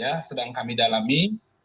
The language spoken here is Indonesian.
ya sedang kami dalami